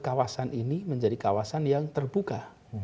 kawasan ini menjadi kawasan yang terbuka